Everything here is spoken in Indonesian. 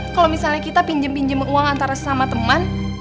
kalo misalnya kita pinjem pinjem uang antara sesama teman